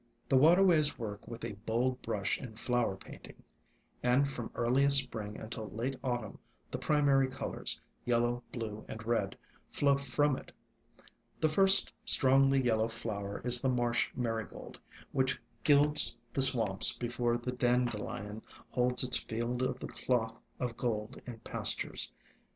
The waterways work with a bold brush in flower painting, and from earliest spring until late autumn the primary colors, yellow, blue, and red, flow from it. The first strongly yellow flower is the Marsh Marigold, which gilds the swamps before the Dan delion holds its field of the cloth of gold in pastures.